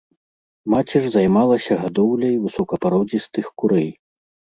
Маці ж займалася гадоўляй высокапародзістых курэй.